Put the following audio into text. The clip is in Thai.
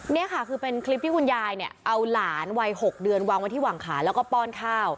เนี้ยค่ะเป็นคลิปที่คุณยายเอาร้านวัย๖เดือนวางคาแล้วก็ป้อนข้าว